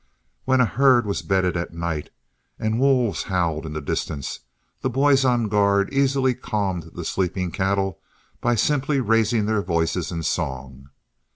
When a herd was bedded at night, and wolves howled in the distance, the boys on guard easily calmed the sleeping cattle by simply raising their voices in song.